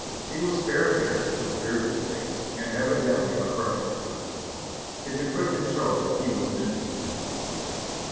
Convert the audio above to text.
He was fair haired, with beardless face, and evidently a fresh recruit; his equipment showed that he was an infantry man.